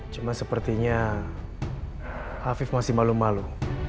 cuma sepertinya hafiz masih malu malu